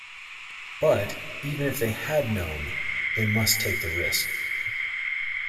But, even if they had known, they must take the risk.